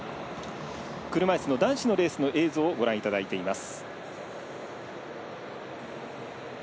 車いすの男子のレースの映像をご覧いただいています。